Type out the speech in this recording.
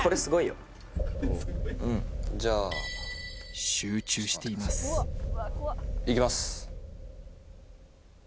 うんじゃあ集中していますいきます